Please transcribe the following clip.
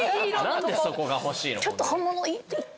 何でそこが欲しいの？